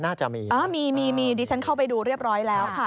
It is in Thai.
น่าจะมีอ่ามีมีดิฉันเข้าไปดูเรียบร้อยแล้วค่ะ